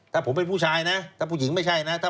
ถ้าผมเป็นผู้ชายนะถ้าผู้หญิงไม่ใช่นะ